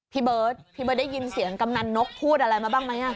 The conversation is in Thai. พี่เบิร์ตพี่เบิร์ตได้ยินเสียงกำนันนกพูดอะไรมาบ้างไหม